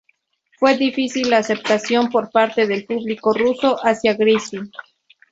Fue difícil la aceptación por parte del público ruso hacia Grisi.